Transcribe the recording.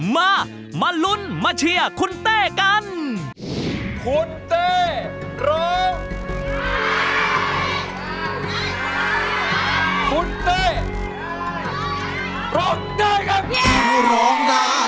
มามาลุ้นมาเชียร์คุณเต้กันคุณเต้ร้องได้ครับ